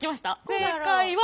正解は？